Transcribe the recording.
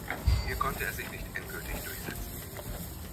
Hier konnte er sich nicht endgültig durchsetzen.